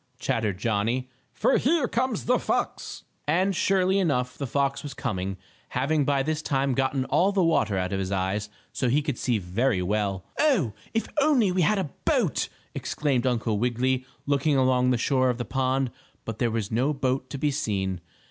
chattered Johnnie, "for here comes the fox!" And, surely enough the fox was coming, having by this time gotten all the water out of his eyes, so he could see very well. "Oh, if we only had a boat!" exclaimed Uncle Wiggily, looking along the shore of the pond, but there was no boat to be seen.